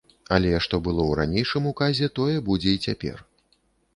Але, што было ў ранейшым указе, тое будзе і цяпер.